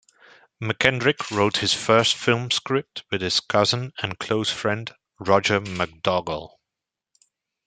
MacKendrick wrote his first film script with his cousin and close friend, Roger MacDougall.